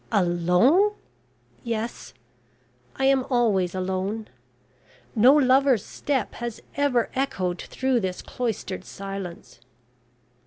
`Alone?' Yes, I am always alone. No lover's step has ever echoed through this cloistered silence.